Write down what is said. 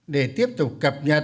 để tiếp tục cập nhật